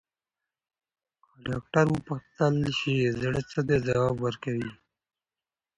که ډاکټر وپوښتل شي، زړه څه دی، ځواب ورکوي.